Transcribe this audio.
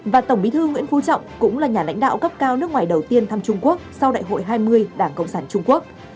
và tổng bí thư nguyễn phú trọng cũng là nhà lãnh đạo cấp cao nước ngoài đầu tiên thăm trung quốc sau đại hội hai mươi đảng cộng sản trung quốc